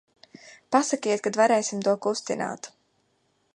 Pasakiet, kad varēsim to kustināt.